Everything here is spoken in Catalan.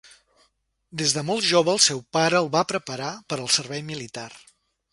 Des de molt jove el seu pare el va preparar per al servei militar.